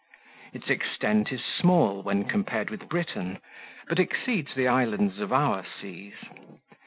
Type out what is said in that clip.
Its extent is small when compared with Britain, but exceeds the islands of our seas.